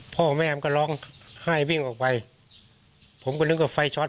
พ่อแม่มันก็ร้องไห้วิ่งออกไปผมก็นึกว่าไฟช็อต